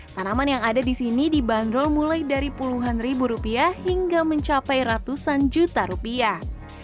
tanaman yang ada di sini dibanderol mulai dari puluhan ribu rupiah hingga mencapai ratusan juta rupiah